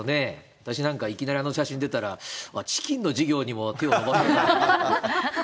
私なんか、いきなりあの写真出たら、チキンの事業にも手を伸ばすのかなって。